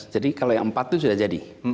tiga belas jadi kalau yang empat itu sudah jadi